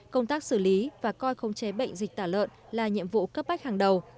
công tác xử lý và coi không chế bệnh dịch tả lợn là nhiệm vụ cấp bách hàng đầu